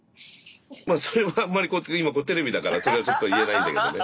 まあそれはあんまり今これテレビだからそれはちょっと言えないんだけどね。